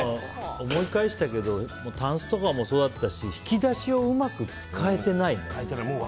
思い返したけどタンスとかもそうだし引き出しをうまく使えてないね。